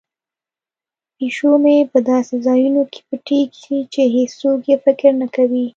پیشو مې په داسې ځایونو کې پټیږي چې هیڅوک یې فکر نه کوي.